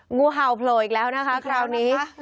งูเห่าโผล่อีกแล้วนะคะคราวนี้